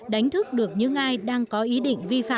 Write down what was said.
đánh thức được những ai đang có ý định